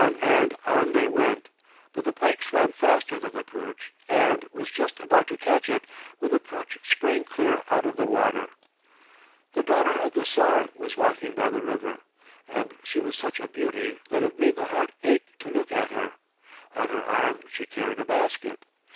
On and on they went, but the pike swam faster than the perch and was just about to catch it when the perch sprang clear out of the water. The daughter of the Tsar was walking by the river, and she was such a beauty that it made the heart ache to look at her. On her arm she carried a basket.